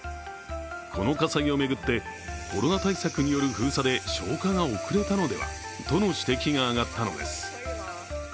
この火災を巡って、コロナ対策による封鎖で消火が遅れたのではとの指摘が上がったのです。